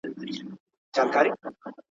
که هغې له تګ څخه انکار وکړ نو حق ئې څه کيږي؟